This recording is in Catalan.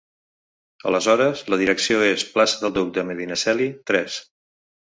Aleshores la direcció és Plaça del Duc de Medinaceli, tres